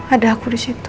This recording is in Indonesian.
ada aku di situ